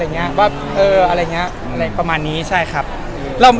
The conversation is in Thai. พี่เห็นไอ้เทรดเลิศเราทำไมวะไม่ลืมแล้ว